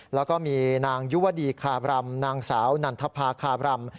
แล้วก็มีนางยุวดีคาบรำนางสาวนันทภาคาบรำ